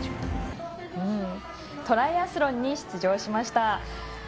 トライアスロンに出場しました。